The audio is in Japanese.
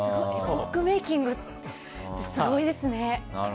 エポックメイキングってすごいですね。